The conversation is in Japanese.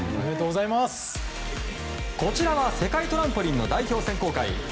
こちらは世界トランポリンの代表選考会。